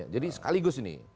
jadi sekaligus ini